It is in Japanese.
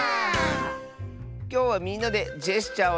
きょうはみんなでジェスチャーをしてあそぶよ！